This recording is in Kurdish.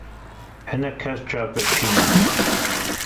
Hinek kes çavbirçî ne.